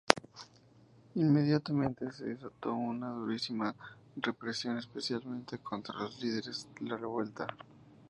Inmediatamente se desató una durísima represión especialmente contra los líderes de la revuelta.